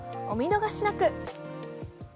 お見逃しなく。